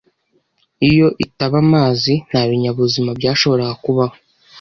Iyo itaba amazi, nta binyabuzima byashoboraga kubaho.